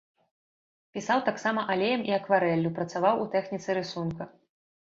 Пісаў таксама алеем і акварэллю, працаваў у тэхніцы рысунка.